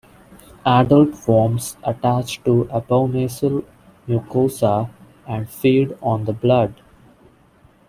Adult worms attach to abomasal mucosa and feed on the blood.